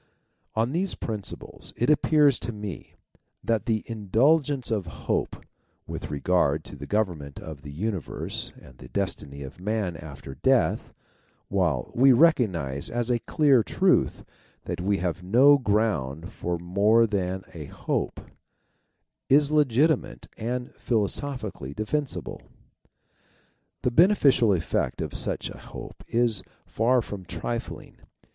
On these principles it appears to me that the indul gence of hope with regard to the government of the universe and the destiny of man after death, while we recognize as a clear truth that we have no ground for more than a hope, is legitimate and philo sophically defensible. The beneficial effect of such a hope is far from trifling.